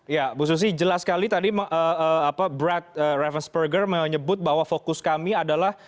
ya bu susi jelas sekali tadi brad revest burger menyebut bahwa fokus kami adalah